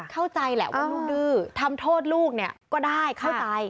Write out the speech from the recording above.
เข้าใจแหละว่าลูกดื้อทำโทษลูกเนี่ยก็ได้เข้าใจ